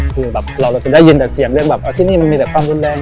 คือแบบเราจะได้ยินแต่เสียงเรียกแบบที่นี่มันมีแต่ความรุนแรง